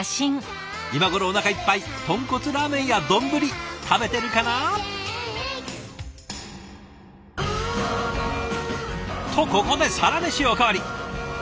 今頃おなかいっぱい豚骨ラーメンや丼食べてるかな？とここでサラメシお代わり！